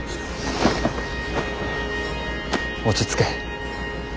落ち着け。